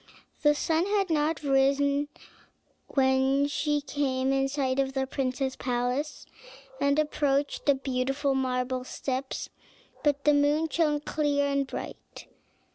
The sun had not risen when she came in sight of the prince's palace, and approached the beautiful marble steps, but the moon shone clear and bright.